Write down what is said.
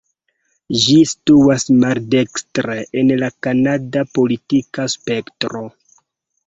Ĝi situas maldekstre en la kanada politika spektro.